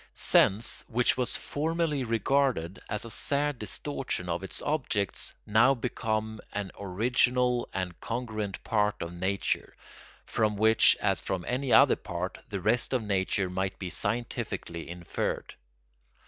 Sense, which was formerly regarded as a sad distortion of its objects, now becomes an original and congruent part of nature, from which, as from any other part, the rest of nature might be scientifically inferred.